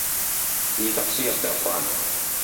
以及輸入習慣